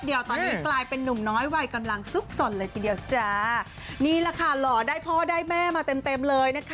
เดี๋ยวตอนนี้กลายเป็นนุ่มน้อยวัยกำลังซุกสนเลยทีเดียวจ้านี่แหละค่ะหล่อได้พ่อได้แม่มาเต็มเต็มเลยนะคะ